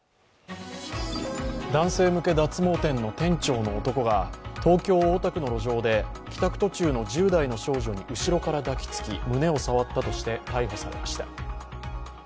男性向け脱毛店の店長の男が東京・大田区の路上で帰宅途中の１０代の少女に後ろから抱きつき胸を触ったとして逮捕されました。